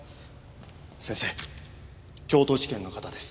先生京都地検の方です。